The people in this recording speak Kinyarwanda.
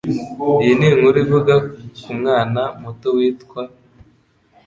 Iyi ni inkuru ivuga ku mwana muto witwa .